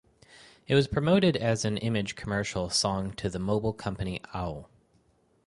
It was promoted as an image commercial song to the mobile company au.